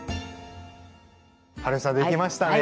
はるみさんできましたね。